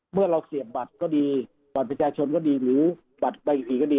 เมื่อเราเสียบบัตรก็ดีบัตรประชาชนก็ดีหรือบัตรใบสีก็ดี